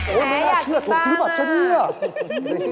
โอ้ไม่น่าเชื่อถูกที่บัตรฉันเนี่ย